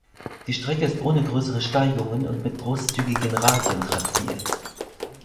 Die Strecke ist ohne größere Steigungen und mit großzügigen Radien trassiert.